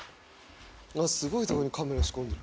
すごい所にカメラ仕込んでる。